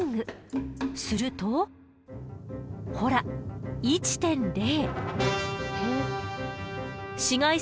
するとほら１．０。